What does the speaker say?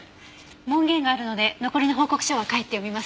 門限があるので残りの報告書は帰って読みます。